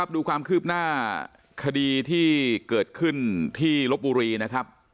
ดูความคืบหน้าคดีที่เกิดขึ้นที่ลบบุรีนะครับ